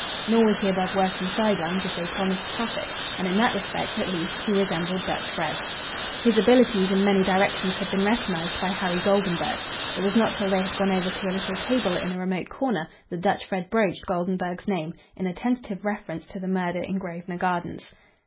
Nor was he above working side lines if they promised profit, and in that respect, at least, he resembled Dutch Fred. His abilities in many directions had been recognised by Harry Goldenburg. It was not till they had gone over to a little table in a remote corner that Dutch Fred broached Goldenburg's name, in a tentative reference to the murder in Grosvenor Gardens.